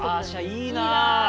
いいなあ。